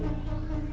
dia bisa menghubungi